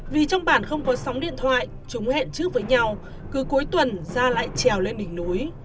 vì trong bản không có sóng điện thoại chúng hẹn trước với nhau cứ cuối tuần ra lại trèo lên đỉnh núi